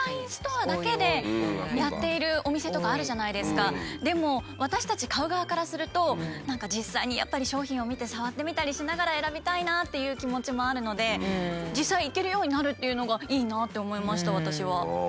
最近何というかでも私たち買う側からすると何か実際にやっぱり商品を見て触ってみたりしながら選びたいなっていう気持ちもあるので実際行けるようになるっていうのがいいなって思いました私は。